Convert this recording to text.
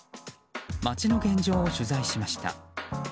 街の現状を取材しました。